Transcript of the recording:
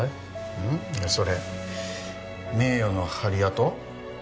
うんいやそれ名誉の針痕？